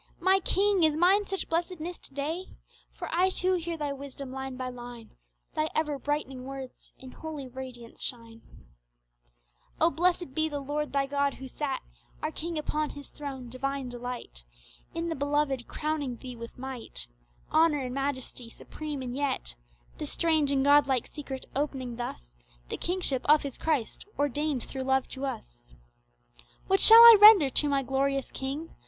My King! is mine such blessedness to day? For I too hear Thy wisdom line by line, Thy ever brightening words in holy radiance shine Oh, blessed be the Lord they God who sat Our King upon His throne Divine delight In the Beloved crowning Thee with might Honour and majesty supreme and yet The strange and Godlike secret opening thus The Kingship of His Christ ordained through love to us! What shall I render to my glorious King?